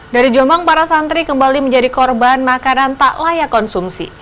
dari jombang para santri kembali menjadi korban makanan tak layak konsumsi